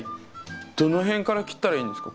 どの辺から切ったらいいんですか？